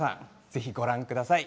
ぜひご覧ください。